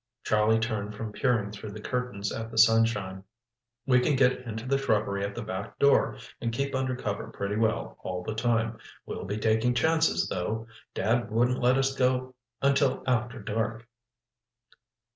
Charlie turned from peering through the curtains at the sunshine. "We can get into the shrubbery at the back door and keep under cover pretty well all the time. We'll be taking chances, though. Dad wouldn't let us go until after dark."